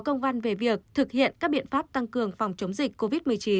văn bản về việc thực hiện các biện pháp tăng cường phòng chống dịch covid một mươi chín